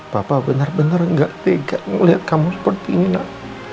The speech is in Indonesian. papa benar benar nggak tega melihat kamu seperti ini nak